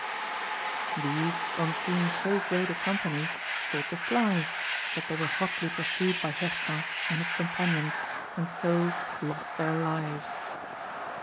Ed. These, on seeing so great a company, sought to fly, but they were hotly pursued by Hircan and his companions, and so lost their lives.